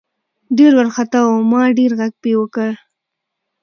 ډېر ورخطا وو ما ډېر غږ پې وکړه .